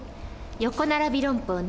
「横ならび論法」ね。